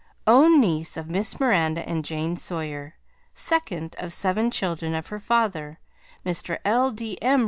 Own niece of Miss Miranda and Jane Sawyer Second of seven children of her father, Mr. L. D. M.